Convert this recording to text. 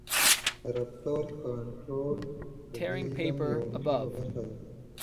د رفتار کنټرول د دې علم یوه مهمه برخه ده.